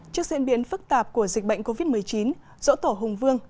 trước diễn biến phức tạp của dịch bệnh covid một mươi chín dỗ tổ hùng vương